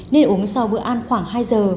nên uống sau bữa ăn khoảng hai giờ